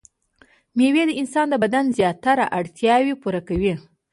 مېوې د انسان د بدن زياتره اړتياوې پوره کوي.